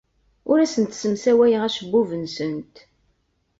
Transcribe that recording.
Ur asent-ssemsawayeɣ acebbub-nsent.